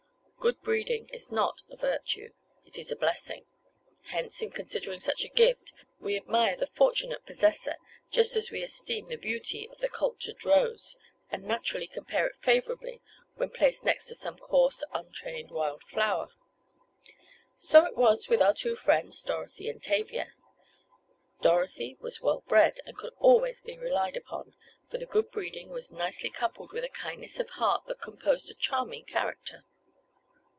Good breeding is not a virtue, it is a blessing: hence in considering such a gift we admire the fortunate possessor, just as we esteem the beauty of the cultured rose, and, naturally compare it favorably when placed next to some coarse untrained wild flower. So it was with our two friends, Dorothy and Tavia. Dorothy was well bred, and could always be relied upon, for the good breeding was nicely coupled with a kindness of heart that composed a charming character.